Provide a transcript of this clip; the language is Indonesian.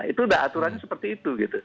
itu udah aturannya seperti itu gitu